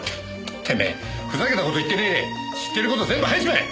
てめえふざけた事言ってねえで知ってる事全部吐いちまえ！